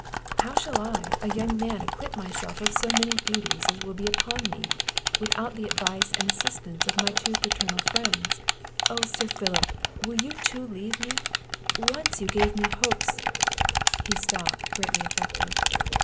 "How shall I, a young man, acquit myself of so many duties as will be upon me, without the advice and assistance of my two paternal friends? Oh, Sir Philip! will you too leave me? once you gave me hopes " He stopped greatly affected.